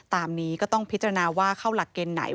ตามนี้ก็ต้องพิจารณาว่าเข้าหลักเกณฑ์ไหน